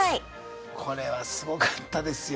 これはすごかったですよ